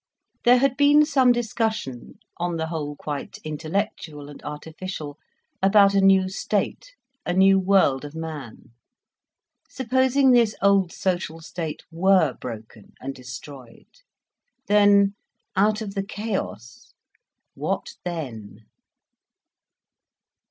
There had been some discussion, on the whole quite intellectual and artificial, about a new state, a new world of man. Supposing this old social state were broken and destroyed, then, out of the chaos, what then?